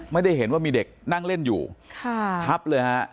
ไม่ได้เห็นว่ามีเด็กนั่งเล่นอยู่ทับเลยฮะ